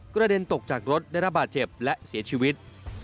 กระเด็นตกจากรถได้รับบาดเจ็บและเสียชีวิต